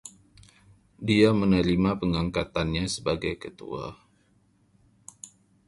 Dia menerima pengangkatannya sebagai ketua.